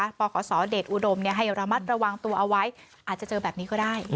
ปขศเดชอุดมให้ระมัดระวังตัวเอาไว้อาจจะเจอแบบนี้ก็ได้